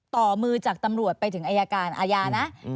ต่อมือจากตำรวจไปถึงอายการอาญานะ